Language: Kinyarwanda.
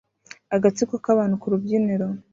Agatsiko k'abantu ku rubyiniro